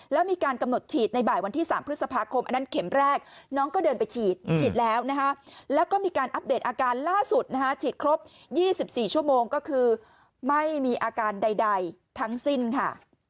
แล้วมีการกำหนดฉีดในบ่ายวันที่๓พฤษภาคมอันนั้นเข็มแรกน้องก็เดินไปฉีดฉีดแล้วนะฮะแล้วก็มีการอัปเดตอาการล่าสุดนะฮะฉีดครบ๒๔ชั่วโมงก็คือไม่มีอาการใดทั้งสิ้นค่ะ